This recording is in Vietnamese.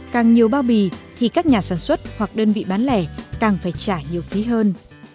càng nhiều bao bì thì các nhà sản xuất hoặc đơn vị bán lẻ càng phải trả nhiều phí hơn